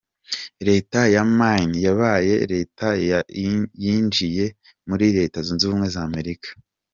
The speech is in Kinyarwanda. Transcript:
Leta ya Maine yabaye leta ya yinjiye muri Leta Zunze Ubumwe za Amerika.